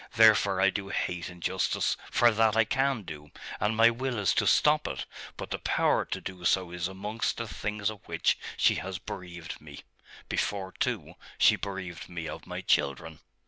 Therefore I do hate injustice; for that I can do: and my will is to stop it; but the power to do so is among the things of which she has bereaved me before, too, she bereaved me of my children....